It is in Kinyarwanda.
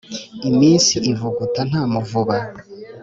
Iminsi ivuguta nta muvuba.